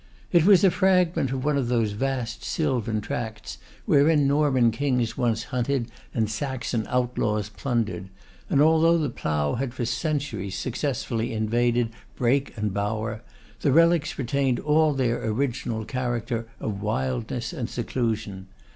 It was a fragment of one of those vast sylvan tracts wherein Norman kings once hunted, and Saxon outlaws plundered; and although the plough had for centuries successfully invaded brake and bower, the relics retained all their original character of wildness and seclusion.